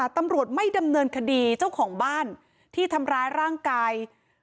ตำรวจไม่ดำเนินคดีเจ้าของบ้านที่ทำร้ายร่างกาย